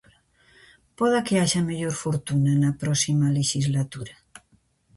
Poda que haxa mellor fortuna na próxima lexislatura.